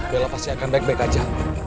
bella pasti akan baik baik aja